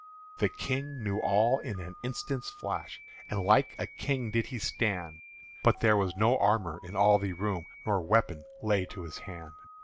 The King knew all in an instant's flash, And like a King did he stand; But there was no armour in all the room, Nor weapon lay to his hand.